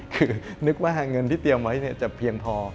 คือนึกว่าเงินที่เตรียมไว้จะเพียงพอ